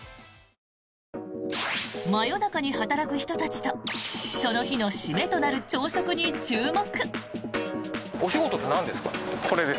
真夜中に働く人たちとその日の締めとなる朝食に注目。